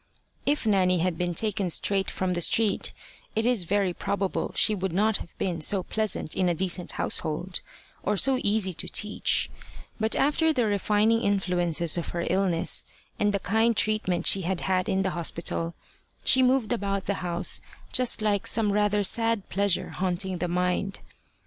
If Nanny had been taken straight from the street, it is very probable she would not have been so pleasant in a decent household, or so easy to teach; but after the refining influences of her illness and the kind treatment she had had in the hospital, she moved about the house just like some rather sad pleasure haunting the mind.